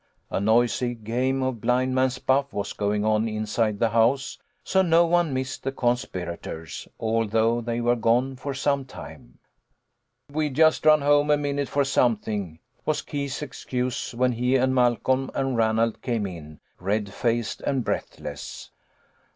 A noisy game of blind man's buff was going on inside the house, so no one missed the conspira tors, although they were gone for some time. "We just ran home a minute for something," was Keith's excuse, when he and Malcolm and Ranald came in, red faced and breathless.